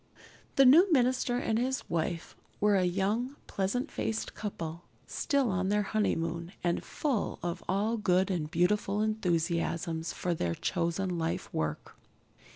The new minister and his wife were a young, pleasant faced couple, still on their honeymoon, and full of all good and beautiful enthusiasms for their chosen lifework.